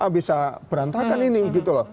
bisa berantakan ini